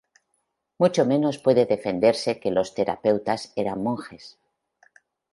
Mucho menos puede defenderse que los Terapeutas eran monjes.